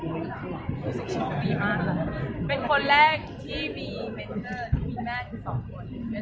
เป็นคนแรกที่มีเมนเซอร์ที่มีแม่สิ่งต่อคน